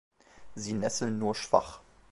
Sie nesseln nur schwach.